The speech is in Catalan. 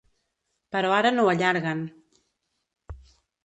Però ara no ho allarguen.